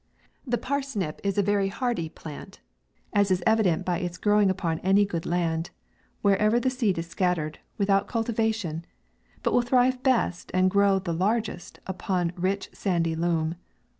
The parsnip is a very hardy plant, as is evident by its growing upon any good land, wherever the seed is scattered, without culti vation, but will thrive best, and grow the lar gest, upon a rich sandy loam.